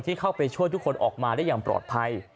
เข้าไปช่วยทุกคนออกมาได้อย่างปลอดภัย